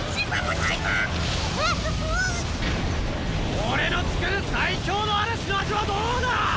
俺の作る最強の嵐の味はどうだ